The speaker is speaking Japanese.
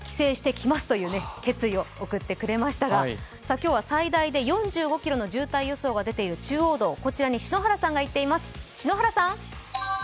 今日は最大で４５ｋｍの渋滞予想が出ている中央道に篠原さんが行っています。